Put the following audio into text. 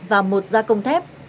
và một gia công thép